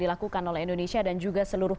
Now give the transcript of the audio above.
dilakukan oleh indonesia dan juga seluruh